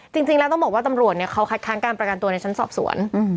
จริงแล้วต้องบอกว่าตำรวจเขาคัดค้างการประกันตัวในชั้นสอบสวน